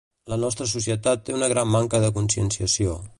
La nostra societat té una gran manca de conscienciació.